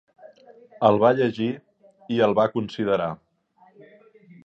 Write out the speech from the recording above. El va llegir i el va considerar.